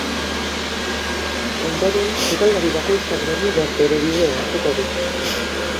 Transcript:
Ondoren, sukaldari bakoitzak berriro bere bidea hartuko du.